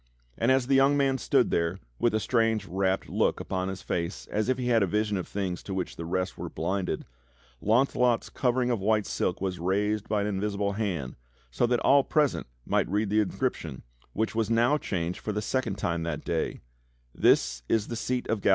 And as the young man stood there, with a strange, rapt look upon his face as if he had a vision of things to which the rest were blinded, Launcelot's covering of white silk was raised by an invisible hand so that all present might read the inscription which was now changed for the second time that day: "This is the seat of Gal.